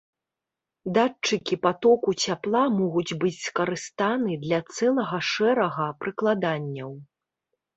Датчыкі патоку цяпла могуць быць скарыстаны для цэлага шэрага прыкладанняў.